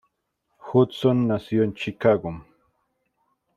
Judson nació en Chicago.